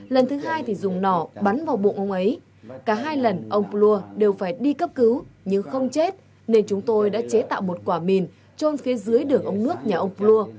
lần thứ hai thì dùng nỏ bắn vào bụng ông ấy cả hai lần ông lua đều phải đi cấp cứu nhưng không chết nên chúng tôi đã chế tạo một quả mìn trôn phía dưới đường ông nước nhà ông lua